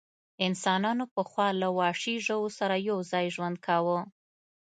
انسانانو پخوا له وحشي ژوو سره یو ځای ژوند کاوه.